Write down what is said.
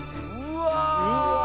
うわ！